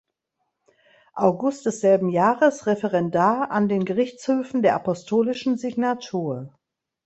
August desselben Jahres Referendar an den Gerichtshöfen der Apostolischen Signatur.